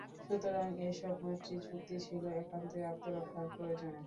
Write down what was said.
সুতরাং এসব মৈত্রী চুক্তি ছিল একান্তই আত্মরক্ষার প্রয়োজনে।